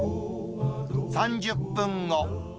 ３０分後。